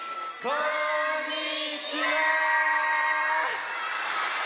こんにちは！